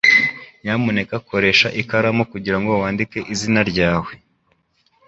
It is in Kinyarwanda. Nyamuneka koresha ikaramu kugirango wandike izina ryawe.